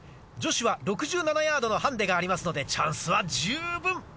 女子は６７ヤードのハンデがありますのでチャンスは十分。